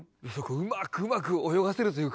うまくうまく泳がせるというか。